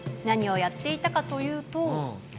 何をやっていたかというと。